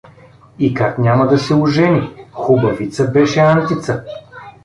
И как няма да се ожени, хубавица беше Антица!